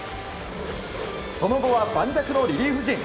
その後は盤石のリリーフ陣。